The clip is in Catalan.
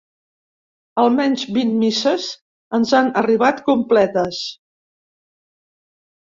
Almenys vint misses ens han arribat completes.